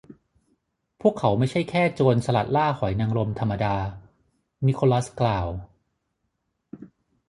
พวกเขาไม่ใช่แค่ โจรสลัดล่าหอยนางรมธรรมดา นิโคลัสกล่าว